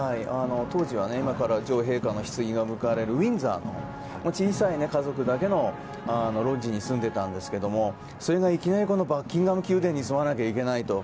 当時は今から女王のひつぎが向かわれるウィンザーの小さな家族だけのロッジに住んでいたんですけどいきなりバッキンガム宮殿に住まなきゃいけないと。